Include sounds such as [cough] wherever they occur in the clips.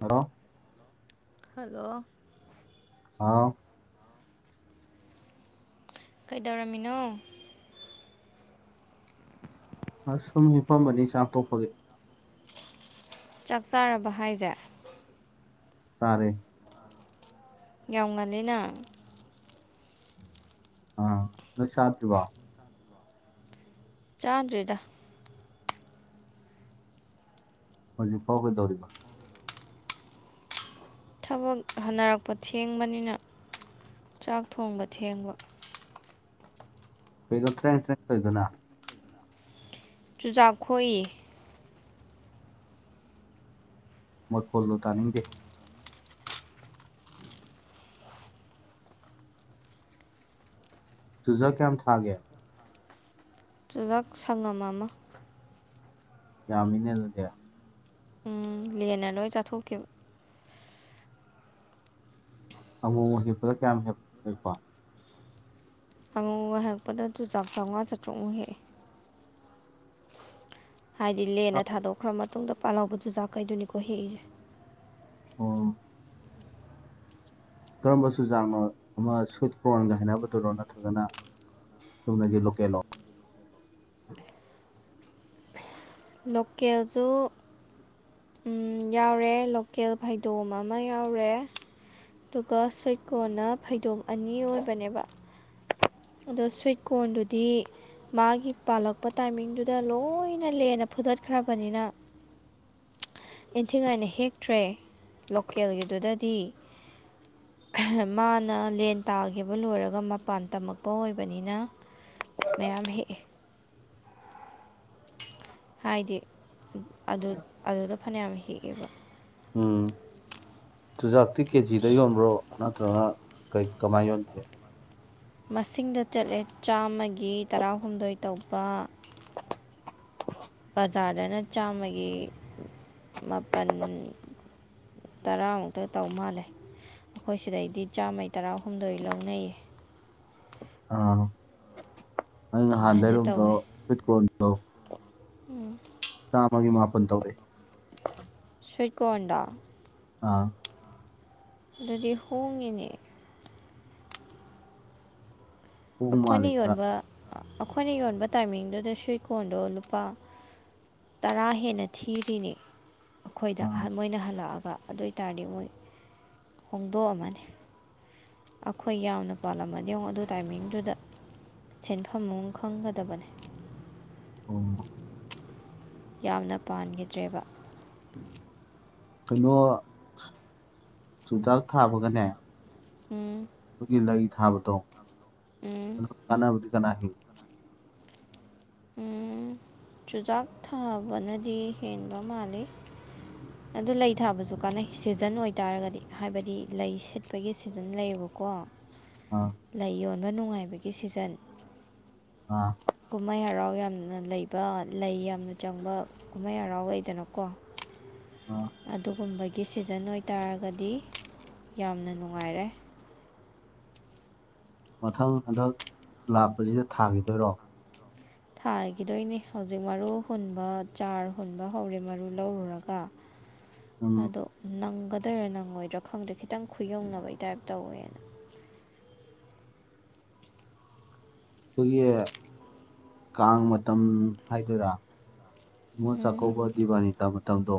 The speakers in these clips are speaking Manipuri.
ꯍꯂꯣ ꯍꯜꯂꯣ ꯍꯥꯥꯎ ꯀꯩꯗꯧꯔꯝꯃꯤꯅꯣ ꯑꯁ ꯁꯨꯝ ꯍꯤꯞꯄꯝꯕꯅꯤ ꯆꯥꯛ ꯇꯣꯛꯄꯒꯤ ꯆꯥꯛ ꯆꯥꯔꯕ ꯍꯥꯏꯖꯦ ꯆꯥꯔꯦ ꯌꯥꯝ ꯉꯜꯂꯤꯅ ꯑꯥ ꯅꯣꯏ ꯆꯥꯗ꯭ꯔꯤꯕꯣ ꯆꯥꯗ꯭ꯔꯤꯗ ꯍꯧꯖꯤꯛ ꯐꯥꯎ ꯀꯩꯗꯧꯔꯤꯕ ꯊꯕꯛ ꯍꯟꯅꯔꯛꯄ ꯊꯦꯡꯕꯅꯤꯅ ꯆꯥꯛ ꯊꯣꯡꯕ ꯊꯦꯡꯕ ꯀꯩꯗ ꯇ꯭ꯔꯦꯡ ꯇ꯭ꯔꯦꯛ ꯇꯧꯔꯤꯗꯨꯅ ꯆꯨꯖꯥꯛ ꯈꯣꯛꯏꯌꯦ ꯃꯈꯣꯜꯗꯣ ꯇꯥꯅꯤꯡꯗꯦ ꯆꯨꯖꯥꯛ ꯀꯌꯥꯝ ꯊꯥꯒꯦ ꯆꯨꯖꯥꯛ ꯁꯪꯉꯝ ꯑꯃ ꯌꯥꯃꯤꯅꯦ ꯑꯗꯨꯗꯤ ꯂꯦꯟꯅ ꯂꯣꯏ ꯆꯥꯊꯣꯛꯈꯤꯕ ꯑꯃꯨꯛ ꯃꯨꯛ ꯍꯦꯛꯄꯗ ꯀꯌꯥꯝ ꯍꯦꯛ ꯍꯦꯛꯄ ꯑꯃꯨꯛ ꯃꯨꯛ ꯍꯦꯛꯄꯗ ꯆꯨꯖꯥꯛ ꯆꯥꯝꯃꯉꯥ ꯆꯥꯇ꯭ꯔꯨꯛꯃꯨꯛ ꯍꯦꯛꯑꯦ ꯍꯥꯏꯗꯤ ꯂꯦꯟꯅ ꯆꯨꯖꯥꯛ ꯊꯥꯗꯣꯛꯈ꯭ꯔ ꯃꯇꯨꯡꯗ ꯄꯥꯜꯍꯧꯕ ꯆꯨꯖꯥꯛꯈꯩꯗꯨꯅꯤꯀꯣ ꯍꯦꯛꯏꯁꯦ ꯑꯣ ꯀꯔꯝꯕ ꯆꯨꯖꯥꯛꯅꯣ ꯑꯃ ꯁꯨꯠ ꯀꯣꯔ꯭ꯟꯒ ꯍꯥꯏꯅꯕꯗꯨꯔꯣ ꯅꯠꯇ꯭ꯔꯒꯅ ꯆꯨꯝꯅꯒꯤ ꯂꯣꯀꯦꯜꯂꯣ [unintelligible] ꯂꯣꯀꯦꯜꯁꯨ ꯌꯥꯎꯔꯦ ꯂꯣꯀꯦꯜ ꯐꯩꯗꯣꯝ ꯑꯃ ꯌꯥꯎꯔꯦ ꯑꯗꯨꯒ ꯁꯨꯏꯠ ꯀꯣ꯭ꯔ꯭ꯟꯅ ꯐꯩꯗꯣꯝ ꯑꯅꯤ ꯑꯣꯏꯕꯅꯦꯕ ꯑꯗꯣ ꯁ꯭ꯋꯤꯠ ꯀꯣꯔꯟꯗꯨꯗꯤ ꯃꯥꯒꯤ ꯄꯥꯜꯂꯛꯄ ꯇꯥꯏꯃꯤꯡꯗꯨꯗ ꯂꯣꯏꯅ ꯂꯦꯟꯅ ꯐꯨ ꯐꯨꯗꯠꯈ꯭ꯔꯕꯅꯤꯅ ꯏꯪꯊꯤꯉꯥꯏꯅ ꯍꯦꯛꯇ꯭ꯔꯦ ꯂꯣꯀꯦꯜꯒꯤꯗꯨꯗꯗꯤ ꯃꯥꯅ ꯂꯦꯟ ꯇꯥꯈꯤꯕ ꯂꯣꯏꯔꯒ ꯃꯄꯥꯟ ꯇꯝꯃꯛꯄ ꯑꯣꯏꯕꯅꯤꯅ ꯃꯌꯥꯝ ꯍꯦꯛꯑꯦ ꯍꯥꯏꯗꯤ ꯑꯗꯨ ꯑꯗꯨꯗ ꯐꯅꯌꯥꯝ ꯍꯦꯛꯑꯦꯕ ꯎꯝ ꯆꯨꯖꯥꯛꯇꯤ ꯀꯦ ꯖꯤ ꯗ ꯌꯣꯟꯕ꯭ꯔꯣ ꯅꯠꯇ꯭ꯔꯒꯅ ꯀꯩ ꯀꯃꯥꯏꯅ ꯌꯣꯟꯒꯦ ꯃꯁꯤꯡꯗ ꯆꯠꯂꯦ ꯆꯥꯝꯃꯒꯤ ꯇꯔꯥꯍꯨꯝꯗꯣꯏ ꯇꯧꯕ ꯕꯖꯥꯔꯗꯅ ꯆꯥꯝꯃꯒꯤ ꯃꯥꯄꯟ ꯇꯔꯥꯃꯨꯛꯇ ꯇꯧ ꯃꯥꯜꯂꯦ ꯑꯈꯣꯏ ꯁꯤꯗꯩꯗꯤ ꯆꯥꯝꯃꯩ ꯇꯔꯥꯍꯨꯝꯗꯣꯏ ꯂꯧꯅꯩ ꯑꯥ ꯑꯩ ꯅꯍꯥꯟ ꯁꯨꯃꯥꯏꯅ ꯂꯩꯔꯨꯕꯗꯣ ꯇꯧꯋꯦ ꯁ꯭ꯋꯤꯠ ꯀꯣꯟ ꯆꯥꯝꯃꯒꯤ ꯃꯥꯄꯟ ꯇꯧꯔꯛꯑꯦ ꯁ꯭ꯋꯤꯠ ꯀꯣꯟꯗꯣ ꯑꯥ ꯑꯗꯨꯗꯤ ꯍꯣꯡꯉꯤꯅꯦ ꯍꯣꯡ ꯑꯈꯣꯏꯅ ꯃꯥꯜꯂꯦ ꯈꯔ ꯌꯣꯟꯕ ꯑꯩꯈꯣꯏꯅ ꯌꯣꯟꯕ ꯇꯥꯏꯃꯤꯡꯗꯨꯗ ꯁ꯭ꯋꯤꯟ ꯀꯣꯟꯗꯣ ꯂꯨꯄꯥ ꯇꯔꯥ ꯍꯦꯟꯅ ꯊꯤꯔꯤꯅꯤ ꯑꯈꯣꯏꯗ ꯑꯥ ꯃꯣꯏꯅ ꯍꯜꯂꯛꯑꯒ ꯑꯗꯨ ꯑꯣꯏ ꯇꯔꯗꯤ ꯃꯣꯏ ꯍꯣꯡꯗꯣꯛꯑꯝꯃꯅꯤ ꯑꯈꯣꯏ ꯌꯥꯝꯅ ꯄꯥꯜꯂꯝꯃꯗꯤ ꯌꯦꯉꯣ ꯑꯗꯨ ꯇꯥꯏꯃꯤꯡꯗꯨꯗ ꯁꯦꯟꯐꯝ ꯑꯃ ꯈꯪꯒꯗꯕꯅꯤ ꯑꯣ ꯌꯥꯝꯅ ꯄꯥꯟꯒꯤꯗ꯭ꯔꯦꯕ ꯀꯩꯅꯣ ꯆꯨꯖꯥꯛ ꯊꯥꯕꯒꯅꯦ ꯎꯝ ꯑꯗꯨꯒꯤ ꯂꯩ ꯊꯥꯕꯗꯣ ꯎꯝ ꯑꯗꯨ ꯀꯥꯟꯅꯕꯗꯤ ꯀꯅꯥ ꯍꯦꯟꯒꯦ ꯆꯨꯖꯥꯛ ꯊꯥꯕꯅꯗꯤ ꯍꯦꯟꯕ ꯃꯥꯜꯂꯤ ꯑꯗꯨ ꯂꯩ ꯊꯥꯕꯁꯨ ꯀꯥꯟꯅꯩ ꯁꯤꯖꯟ ꯑꯣꯏꯇꯥꯔꯒꯗꯤ ꯍꯥꯏꯕꯗꯤ ꯂꯩ ꯁꯤꯠꯄꯒꯤ ꯁꯤꯖꯟ ꯂꯩꯌꯦꯕꯀꯣ ꯑꯥ ꯂꯩ ꯌꯣꯟꯕ ꯅꯨꯡꯉꯥꯏꯕꯒꯤ ꯁꯤꯖꯟ ꯑꯥ ꯀꯨꯝꯍꯩ ꯍꯔꯥꯎ ꯌꯥꯝꯅ ꯂꯩꯕ ꯂꯩ ꯌꯥꯝꯅ ꯆꯪꯕ ꯀꯨꯝꯍꯩ ꯍꯔꯥꯎ ꯂꯩꯗꯅꯀꯣ ꯑꯥ ꯑꯗꯨꯒꯨꯝꯕ ꯒꯤ ꯁꯤꯖꯟ ꯑꯣꯏꯇꯥꯔꯒꯗꯤ ꯌꯥꯝꯅ ꯅꯨꯡꯉꯥꯏꯔꯦ ꯃꯊꯪ ꯍꯟꯗꯛ ꯂꯥꯞꯄꯁꯤꯗ ꯊꯥꯒꯤꯗꯣꯏꯔꯣ ꯊꯥꯒꯤꯗꯣꯏꯅꯤ ꯍꯧꯖꯤꯛ ꯃꯔꯨ ꯍꯨꯟꯕ ꯆꯥꯔ ꯍꯨꯟꯕ ꯍꯧꯔꯦ ꯃꯔꯨ ꯂꯧꯔꯨꯔꯒ ꯎꯝ ꯑꯗꯣ ꯅꯪ ꯒꯗꯣꯏꯔꯥ ꯅꯪꯉꯣꯏꯗ꯭ꯔꯥ ꯈꯪꯗꯦ ꯈꯤꯇꯪ ꯈꯨꯌꯧꯅꯕꯩ ꯇꯥꯏꯞ ꯇꯧꯋꯦ [unintelligible] ꯑꯈꯣꯏꯒꯤ ꯀꯥꯡ ꯃꯇꯝ ꯍꯥꯏꯗꯣꯏꯔꯥ ꯅꯤꯡꯉꯣꯟ ꯎꯝ ꯆꯥꯛꯀꯧꯕ ꯗꯤꯕꯥꯅꯤ ꯇꯥ ꯃꯇꯝꯗꯣ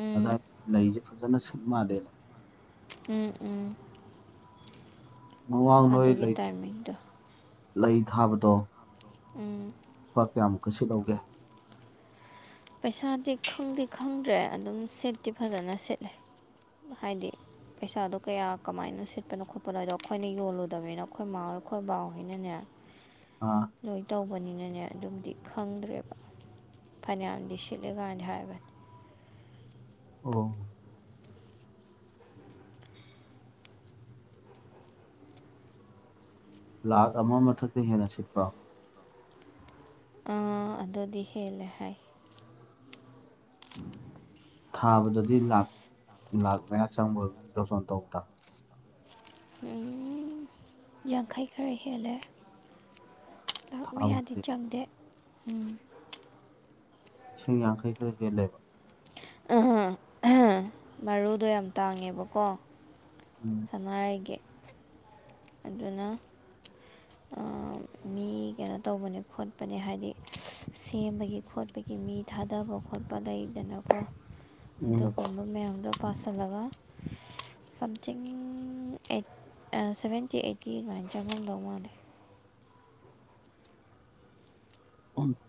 ꯎꯝ ꯑꯗꯥꯏ ꯂꯩꯁꯦ ꯐꯖꯅ ꯃꯥꯜꯂꯦ ꯎꯝ ꯎꯝ ꯃꯃꯥꯡ ꯅꯣꯏ ꯑꯗꯨꯒꯤ ꯂꯩ ꯇꯥꯏꯃꯤꯡꯗ ꯂꯩ ꯊꯥꯕꯗꯣ ꯎꯝ ꯂꯨꯄꯥ ꯀꯌꯥꯃꯨꯛꯀ ꯁꯤꯠꯍꯧꯒꯦ ꯄꯩꯁꯥꯗꯤ ꯈꯪꯗꯤ ꯈꯪꯗ꯭ꯔꯦ ꯑꯗꯨꯝ ꯁꯤꯠꯇꯤ ꯐꯖꯅ ꯁꯤꯠꯂꯦ ꯍꯥꯏꯗꯤ ꯄꯩꯁꯥꯗꯣ ꯀꯌꯥ ꯀꯃꯥꯏꯅ ꯁꯤꯠꯄꯅꯣ ꯈꯣꯠꯄꯅꯣ ꯍꯥꯏꯗꯣ ꯑꯈꯣꯏꯅ ꯌꯣꯜꯂꯨꯗꯕꯅꯤꯅ ꯑꯈꯣꯏ ꯃꯥꯥꯍꯣꯏ ꯑꯈꯣꯏ ꯕꯥ ꯍꯣꯏꯅꯅꯦ ꯑꯥ ꯂꯣꯏ ꯇꯧꯕꯅꯤꯅꯅꯦ ꯑꯗꯨꯝꯗꯤ ꯈꯪꯗ꯭ꯔꯦꯕ ꯐꯅꯌꯥꯝ ꯁꯤꯠꯂꯦꯀꯥꯏꯗꯤ ꯍꯥꯏꯕꯅꯤ ꯑꯣ ꯂꯥꯛ ꯑꯃ ꯃꯊꯛꯇ ꯍꯦꯟꯅ ꯁꯤꯠꯄ꯭ꯔꯣ ꯑ ꯑꯗꯨꯗꯤ ꯍꯦꯜꯂꯦ ꯍꯥꯏ [unintelligible] ꯊꯥꯕꯗꯗꯤ ꯂꯥꯛ ꯂꯥꯛ ꯃꯌꯥ ꯆꯪꯕ꯭ꯔꯣ ꯑꯗꯨꯝ ꯖꯣꯇꯣꯟ ꯇꯧꯕꯗ ꯌꯥꯡꯈꯩ ꯈꯔ ꯍꯦꯜꯂꯦ ꯂꯥꯛ ꯃꯌꯥꯗꯤ ꯊꯥꯕꯗꯗꯤ ꯆꯪꯗꯦ ꯎꯝ ꯂꯤꯁꯤꯡ ꯌꯥꯡꯈꯩ ꯈꯔ ꯍꯦꯜꯂꯦꯕ ꯑ ꯃꯔꯨꯗꯣ ꯌꯥꯝ ꯇꯥꯡꯉꯦꯕꯀꯣ ꯎꯝ ꯁꯅꯥꯔꯩꯒꯤ ꯑꯗꯨꯅ ꯃꯤ ꯀꯩꯅꯣ ꯇꯧꯕꯅꯦ ꯈꯣꯠꯄꯅꯦ ꯍꯥꯏꯗꯤ ꯁꯦꯝꯕꯒꯤ ꯈꯣꯠꯄꯒꯤ ꯃꯤ ꯊꯥꯗꯕ ꯈꯣꯠꯄꯗꯩ ꯀꯩꯅꯣꯀꯣ ꯑꯗꯨꯒꯨꯝꯕ ꯃꯌꯥꯝꯗꯣ ꯄꯁꯤꯜꯂꯒ ꯁꯝꯊꯤꯡ ꯑꯩ ꯁꯚꯦꯟꯇꯤ ꯑꯩꯠꯇꯤ ꯅꯥꯏꯟ ꯆꯕꯝꯗꯣꯡꯗꯦ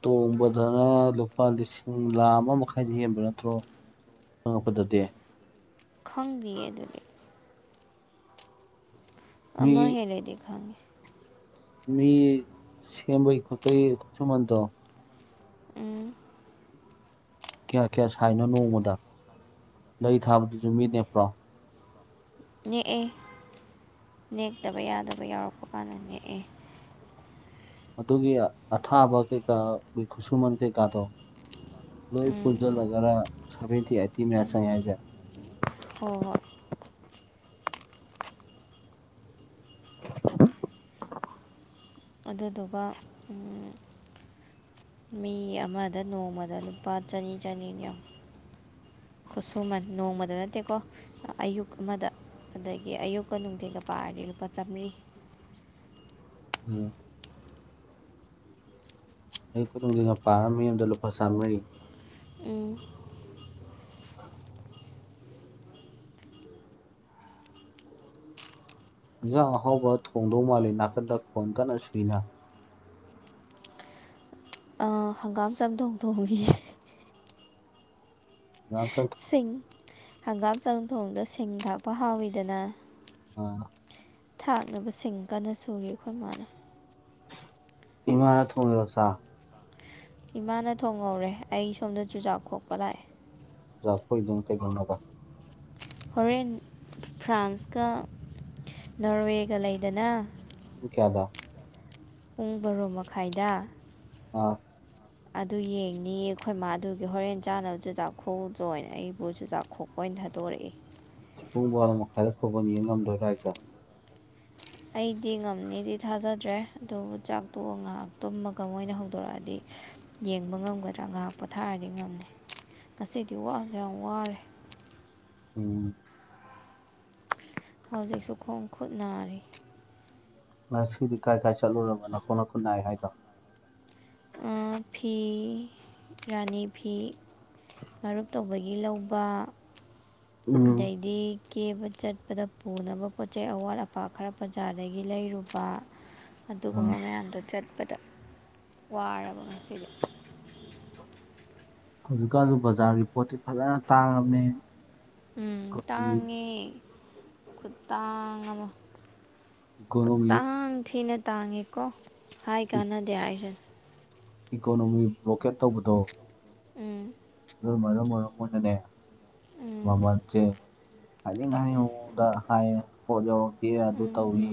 ꯇꯣꯡꯕꯗꯅ ꯂꯨꯄꯥ ꯂꯤꯁꯤꯡ ꯂꯥ ꯑꯃ ꯃꯈꯥꯏꯗ ꯍꯦꯟꯕ ꯅꯠꯇ꯭ꯔꯣ ꯑ ꯈꯨꯗꯗꯤ ꯈꯪꯈꯤꯌꯦ ꯑꯗꯨꯗꯤ ꯃꯤ ꯑꯃ ꯍꯦꯂꯗꯤ ꯈꯥꯡꯒꯦ ꯃꯤ ꯁꯤꯦꯕꯩ ꯈꯨꯄꯩ ꯀꯁꯨ ꯃꯥꯟꯇ ꯎꯝ ꯀꯌꯥ ꯀꯌꯥ ꯁꯥꯏꯅꯣ ꯅꯣꯡꯃꯗ ꯂꯩ ꯊꯥꯕꯗꯨꯁꯨ ꯃꯤ ꯅꯦꯄ꯭ꯔꯣ ꯅꯦꯛꯑꯦ ꯅꯦꯛꯇꯕ ꯌꯥꯗꯕ ꯌꯥꯎꯔꯛꯄ ꯀꯥꯟꯗ ꯅꯦꯛꯑꯦ ꯑꯗꯨꯒꯤ ꯑꯊꯥꯕ ꯀꯩꯀꯥ ꯈꯨꯠꯁꯨꯃꯟ ꯀꯩꯀꯥꯗꯣ ꯂꯣꯏ ꯄꯨꯟꯁꯤꯜꯂꯒꯔ ꯁꯦꯚꯦꯟꯇꯤ ꯑꯥꯏꯠꯇꯤ ꯃꯤꯅꯥꯠ ꯆꯪꯉꯦ ꯍꯥꯏꯁꯦ ꯍꯣꯏ ꯍꯣꯏ ꯑꯗꯨꯗꯨꯒ ꯃꯤ ꯑꯃꯗ ꯅꯣꯡꯃꯗ ꯂꯨꯄꯥ ꯆꯅꯤ ꯆꯅꯤꯅꯤꯎ ꯈꯨꯠꯁꯨꯃꯟ ꯅꯣꯡꯃꯗ ꯅꯠꯇꯦꯀꯣ ꯑꯌꯨꯛ ꯑꯃꯗ ꯑꯗꯒꯤ ꯑꯌꯨꯛꯀ ꯅꯨꯡꯊꯤꯒ ꯄꯥꯔꯗꯤ ꯂꯨꯄꯥ ꯆꯥꯃꯔꯤ ꯎꯝ ꯑꯩ ꯈꯨꯗꯅ ꯄꯥꯔꯃꯤ ꯌꯗ ꯂꯨꯄꯥ ꯆꯥꯝꯃꯔꯤ ꯎꯝ ꯌꯦꯟꯁꯥꯡ ꯑꯍꯥꯎꯕ ꯊꯣꯡꯗꯧ ꯃꯥꯜꯂꯤꯦ ꯅꯥꯀꯟꯗ ꯈꯣꯟ ꯀꯟꯅ ꯁꯨꯏꯅ ꯍꯪꯒꯥꯝ ꯆꯝꯊꯣꯡ ꯊꯣꯡꯈꯤ ꯉꯥꯏꯍꯥꯛꯇꯪ ꯁꯤꯡ ꯍꯪꯒꯥꯝ ꯆꯪ ꯊꯣꯡꯗ ꯁꯤꯡ ꯊꯥꯛꯄ ꯍꯥꯎꯋꯤꯗꯅ ꯑ ꯊꯥꯛꯅꯕꯁꯤꯡ ꯀꯟꯅ ꯁꯨꯔꯤ ꯑꯩꯈꯣꯏ ꯃꯥꯅ ꯏꯃꯥꯔꯠ ꯍꯒꯔꯣ ꯁꯥ ꯏꯃꯥꯅ ꯊꯣꯡꯍꯧꯔꯦ ꯑꯩ ꯁꯣꯝꯗ ꯆꯨꯖꯥꯛ ꯀꯣꯛꯄ ꯂꯥꯛꯑꯦ ꯖꯐꯣꯏꯗꯡ ꯀꯩꯗꯧꯅꯕ ꯍꯣꯔꯦꯟ ꯐ꯭ꯔꯥꯟꯁꯀ ꯅꯣꯔꯋꯦꯒ ꯂꯩꯗꯅ ꯇꯨꯝ ꯀꯌꯥꯗ ꯄꯨꯡ ꯕꯔꯣ ꯃꯈꯥꯏꯗ ꯑꯥ ꯑꯗꯨ ꯌꯦꯡꯅꯤꯌꯦ ꯑꯩꯈꯣꯏ ꯃꯥꯗꯨꯒꯤ ꯍꯣꯔꯦꯟ ꯆꯥꯅꯕ ꯆꯨꯖꯥꯛ ꯈꯣꯛꯎꯗ ꯑꯣꯏꯅ ꯑꯩꯕꯨ ꯆꯨꯖꯥꯛ ꯈꯣꯛꯄ ꯑꯩꯏ ꯊꯥꯗꯣꯔꯛꯏ ꯊꯣꯡꯕ ꯍꯦꯜꯄ ꯌꯦꯗꯔ ꯍꯥꯏ ꯑꯩꯗꯤ ꯉꯝꯅꯤꯗꯤ ꯊꯥꯖꯗ꯭ꯔꯦ ꯑꯗꯨꯕꯨ ꯆꯥꯛꯇꯣ ꯉꯥꯏꯍꯥꯛꯇꯨꯝꯃꯒꯣꯏ ꯑꯣꯏꯅ ꯍꯧꯗꯣꯔꯛꯑꯗꯤ ꯌꯦꯡꯕ ꯉꯝꯒꯗ꯭ꯔꯥ ꯉꯥꯏꯍꯥꯛ ꯄꯣꯊꯥꯔꯗꯤ ꯉꯝꯅꯤ ꯉꯁꯤꯗꯤ ꯋꯥꯁꯨꯦ ꯌꯥꯝ ꯋꯥꯔꯦ ꯎꯝ ꯍꯧꯖꯤꯛꯁꯨ ꯈꯣꯡ ꯈꯨꯠ ꯅꯥꯔꯤ ꯉꯁꯤꯗꯤ ꯀꯥꯏ ꯀꯥꯏ ꯆꯠꯂꯨꯔꯕꯅꯣ ꯈꯣꯠꯅ ꯈꯨꯠꯅꯥꯏ ꯍꯥꯏꯗꯣ ꯐꯤ ꯔꯅꯤ ꯐꯤ ꯃꯔꯨꯞ ꯇꯧꯕꯒꯤ ꯂꯧꯕ ꯎꯝ ꯑꯗꯩꯗꯤ ꯀꯦꯕ ꯆꯠꯄꯗ ꯄꯨꯅꯕ ꯄꯣꯠ ꯆꯩ ꯑꯋꯥꯠ ꯑꯄꯥ ꯈꯔ ꯕꯖꯥꯔꯗꯒꯤ ꯂꯩꯔꯨꯕ ꯑꯗꯨꯒꯨꯝꯕ ꯑꯥ ꯃꯌꯥꯝꯗꯣ ꯆꯠꯄꯗ ꯋꯥꯔꯕ ꯉꯁꯤꯗꯤ ꯍꯧꯖꯤꯛꯀꯥꯟꯁꯨ ꯕꯖꯥꯔꯒꯤ ꯄꯣꯠꯇꯤ ꯐꯖꯅ ꯇꯥꯡꯉꯕꯅꯤ ꯎꯝ ꯇꯥꯡꯉꯤ ꯈꯨ ꯇꯥꯡ ꯑꯃ ꯏꯀꯣꯅꯣꯃꯤ ꯈꯨꯇꯥꯡ ꯊꯤꯅ ꯇꯥꯡꯉꯦꯀꯣ ꯍꯥꯏ ꯀꯥꯟꯅꯗꯦ ꯍꯥꯏꯁꯦ ꯏꯀꯣꯅꯣꯃꯤ ꯕ꯭ꯂꯣꯀꯦꯠ ꯇꯧꯕꯗꯣ ꯎꯝ꯫ ꯑꯗꯨ ꯃꯔꯝ ꯃꯔꯝ ꯃꯣꯏꯅꯅꯦ ꯎꯝ ꯃꯃꯟꯁꯦ꯫ ꯍꯥꯏꯅꯤꯡ ꯍꯥꯏꯅꯤꯡꯕ ꯃꯑꯣꯡꯗ ꯍꯥꯏꯌꯦ ꯄꯣꯠ ꯌꯧꯔꯛꯇꯦ ꯑꯗꯨ ꯎꯝ ꯇꯧꯋꯤ꯫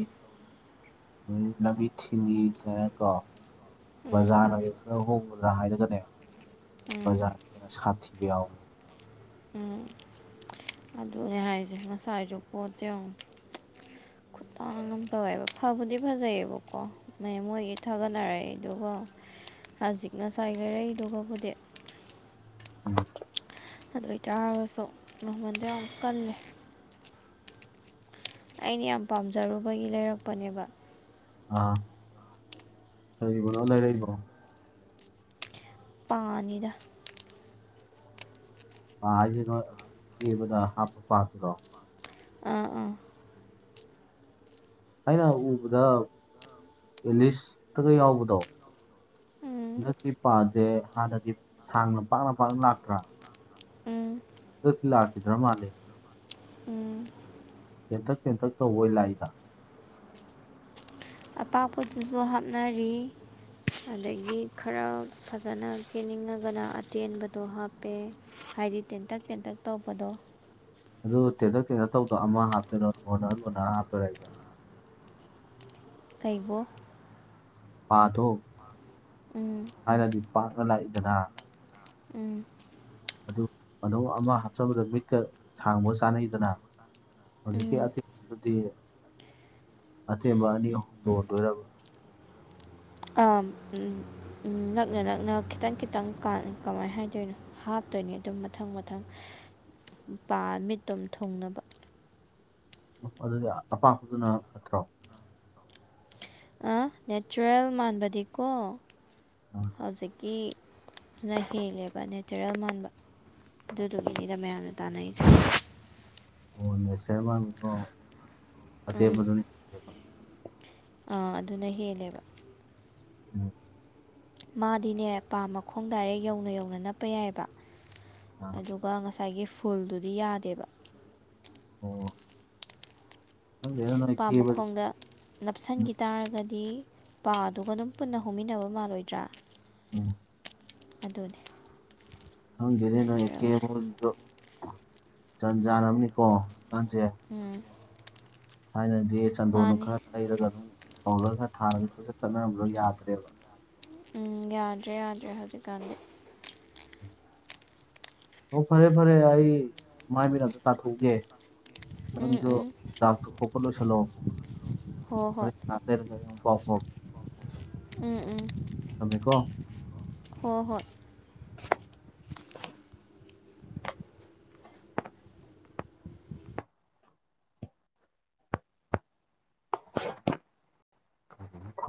ꯃꯤ ꯂꯝꯕꯤ ꯊꯤꯡꯉꯤ ꯀꯔꯥꯏꯀꯣ ꯎꯝ ꯕꯖꯥꯔꯅꯒ ꯈꯔ ꯍꯣꯡꯕ ꯒ ꯍꯥꯏꯔꯒꯅꯦ ꯎꯝ ꯕꯖꯥꯔꯅ ꯍꯦꯟꯅ ꯁꯥꯊꯤꯕ ꯌꯥꯎꯕꯅꯦ꯫ ꯎꯝ ꯑꯗꯨꯅꯦ ꯍꯥꯏꯁꯦ ꯉꯁꯥꯏꯁꯨ ꯄꯣꯠꯇꯣ ꯌꯦꯡꯉꯣ꯫ ꯈꯨꯠ ꯇꯥꯡ ꯑꯃ ꯇꯧꯋꯦꯕ ꯐꯕꯨꯗꯤ ꯐꯖꯩꯌꯦꯕꯀꯣ ꯃꯣꯏꯒꯤ ꯊꯥꯒꯠꯅꯔꯛꯏꯗꯨꯒ꯫ ꯍꯧꯖꯤꯛ ꯉꯁꯥꯏ ꯂꯩꯔꯛꯏꯗꯨꯒꯕꯨꯗꯤ꯫ ꯎꯝ꯫ ꯑꯗꯨ ꯑꯣꯏꯇꯥꯔꯒꯁꯨ ꯃꯃꯟꯗꯣ ꯌꯥꯝ ꯀꯜꯂꯦ꯫ ꯑꯩꯅ ꯌꯥꯝ ꯄꯥꯝꯖꯔꯨꯕꯒꯤ ꯂꯩꯔꯛꯄꯅꯦꯕ꯫ ꯑꯥ ꯀꯔꯤꯕꯅꯣ ꯂꯩꯔꯛꯏꯕꯣ꯫ ꯄꯥꯅꯤꯗ꯫ ꯄꯥ ꯍꯥꯏꯁꯦ ꯅꯣꯏ ꯑꯀꯦꯕꯗ ꯍꯥꯞꯄ ꯄꯥꯗꯨꯔꯣ꯫ ꯑꯥ ꯑꯥ꯫ ꯑꯩꯅ ꯎꯕꯗ ꯑꯦꯂꯤꯁꯇꯒ ꯌꯥꯎꯕꯗꯣ꯫ ꯎꯝ ꯍꯟꯗꯛꯇꯤ ꯄꯥꯁꯦ ꯍꯥꯟꯅꯗꯤ ꯁꯥꯡꯅ ꯄꯥꯛꯅ ꯄꯥꯛꯅ ꯂꯥꯛꯇ꯭ꯔꯥ꯫ ꯎꯝ꯫ [inaudible] ꯂꯥꯛꯈꯤꯗꯔ ꯃꯥꯥꯜꯂꯦꯅꯦ꯫ ꯎꯝ꯫ ꯇꯦꯟꯇꯛ ꯇꯦꯟꯇꯛ ꯇꯧꯕꯑꯣꯏ ꯂꯥꯛꯏꯗ꯫ ꯑꯄꯥꯛꯄꯗꯨꯁꯨ ꯍꯥꯞꯅꯔꯤ꯫ ꯑꯗꯒꯤ ꯈꯔ ꯐꯖꯅ ꯀꯦꯟꯅꯤꯡꯉꯒꯅ ꯑꯇꯦꯟꯕꯗꯣ ꯍꯥꯞꯄꯦ꯫ ꯍꯥꯏꯗꯤ ꯇꯦꯟꯇꯛ ꯇꯦꯟꯇꯛ ꯇꯧꯕꯗꯣ꯫ ꯑꯗꯨ ꯇꯦꯟꯇꯛ ꯇꯦꯟꯇꯛ ꯇꯧꯗꯣ ꯑꯃ ꯍꯥꯞꯇꯣꯏꯔꯣ ꯂꯣꯟꯅꯔ ꯂꯣꯟꯅꯔ ꯍꯥꯞꯇꯣꯏꯔꯥ ꯍꯥꯏꯁꯦ꯫ ꯀꯩꯕꯣ꯫ ꯄꯥꯗꯣ꯫ ꯎꯝ ꯊꯥꯏꯅꯗꯤ ꯄꯥꯛꯅ ꯂꯥꯛꯏꯗꯅ꯫ ꯎꯝ꯫ ꯑꯗꯨ ꯑꯗꯨꯝ ꯑꯃ ꯍꯥꯞꯆꯟꯕꯗ ꯃꯤꯠꯀ ꯁꯥꯡꯕ ꯆꯥꯅꯩꯗꯅ꯫ ꯍꯧꯖꯤꯛꯀꯤ ꯎꯝ ꯑꯇꯦꯟꯗꯨꯗꯤ꯫ ꯑꯁꯦꯝꯕ ꯑꯅꯤ ꯑꯍꯨꯝ ꯂꯣꯟꯗꯣꯏꯔꯕ꯫ ꯑ ꯅꯛꯅ ꯅꯛꯅ ꯈꯤꯇꯪ ꯈꯤꯇꯪ ꯀ ꯀꯃꯥꯏꯅ ꯍꯥꯏꯗꯣꯏꯅꯣ ꯍꯥꯞ ꯇꯣꯏꯅꯦ ꯑꯗꯨꯝ ꯃꯊꯪ ꯃꯊꯪ ꯄꯥ ꯃꯤꯠꯇꯣꯝ ꯊꯨꯡꯅꯕ꯫ ꯑꯗꯨꯗꯤ ꯑꯄꯥꯛꯄꯗꯨꯅ ꯐꯠꯇ꯭ꯔꯣ꯫ ꯑ ꯅꯦꯆꯔꯦꯜ ꯃꯥꯟꯕꯗꯤꯀꯣ ꯍꯧꯖꯤꯛꯀꯤ꯫ ꯑꯗꯨꯅ ꯍꯦꯜꯂꯦꯕ ꯅꯦꯆꯔꯦꯜ ꯃꯥꯟꯕ ꯑꯗꯨꯗꯨꯒꯤꯅꯤꯗ ꯃꯌꯥꯝꯅ꯫ ꯇꯥꯅꯩꯁꯦ꯫ ꯑꯣ ꯁꯔꯃꯃꯤꯣ ꯎꯝ ꯑꯦꯕꯗꯨꯅꯤ ꯑꯥ ꯑꯗꯨꯅ ꯍꯦꯜꯂꯦꯕ꯫ [inaudible] ꯃꯥꯗꯤꯅꯦ ꯄꯥ ꯃꯈꯣꯡ ꯗꯥꯏꯔꯦꯛ ꯌꯧꯅ ꯌꯧꯅ ꯅꯞꯄ ꯌꯥꯏꯕ ꯑꯥ ꯑꯗꯨꯒ ꯉꯁꯥꯏ ꯉꯁꯥꯏꯒꯤ ꯐꯨꯜꯗꯨꯗꯤ ꯌꯥꯗꯦꯕ꯫ ꯑꯣ꯫ ꯈꯪꯗꯦꯗ ꯅꯣꯏ ꯄꯥ ꯀꯦꯕꯗꯤ ꯃꯈꯣꯡꯗ ꯅꯞꯁꯤꯟꯒꯤ ꯇꯥꯔꯒ ꯗꯤ ꯄꯥꯗꯨꯒ ꯑꯗꯨꯝ ꯄꯨꯟꯅ ꯍꯧꯃꯤꯟꯅꯕ ꯃꯥꯜꯂꯣꯏꯗ꯭ꯔꯥ꯫ ꯎꯝ꯫ ꯑꯗꯨꯅꯦ꯫ ꯈꯪꯗꯦꯅꯦ ꯅꯣꯏ ꯑꯀꯦ ꯅꯠꯇ꯭ꯔꯒ ꯑꯃꯧꯁꯤꯁꯨ ꯖꯟ ꯖꯥꯟꯑꯝꯅꯤꯀꯣ꯫ ꯎꯝ ꯍ ꯗꯦ ꯁꯗꯣꯅ ꯃꯥꯅꯤ ꯈ ꯆꯗ ꯀ ꯄꯂ ꯈꯔ ꯊꯥꯔꯗꯤ ꯄꯨꯂ ꯆꯠꯅꯔꯝꯕꯗꯣ ꯌꯥꯗ꯭ꯔꯦꯕ ꯎꯝ ꯌꯥꯗ꯭ꯔꯦ ꯌꯥꯗ꯭ꯔꯦ ꯍꯧꯖꯤꯛꯀꯥꯟꯗꯤ ꯑꯣ ꯐꯔꯦ ꯐꯔꯦ ꯑꯩ ꯃꯥꯏ ꯃꯤꯔꯛꯇ ꯇꯥꯊꯣꯛꯒꯦ ꯎꯝ ꯎꯝ ꯅꯥꯛ ꯀꯣꯄꯂ ꯂꯣ ꯍꯣ ꯍꯣꯏ ꯂꯩ ꯎꯝ ꯎꯝ ꯍꯣꯏ ꯍꯣꯏ [unintelligible]